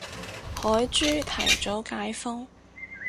海珠提早解封